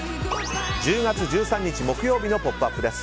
１０月１３日木曜日の「ポップＵＰ！」です。